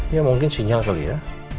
ya mungkin sinyal kali ya